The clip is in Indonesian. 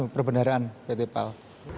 tm perbendaraan pt pal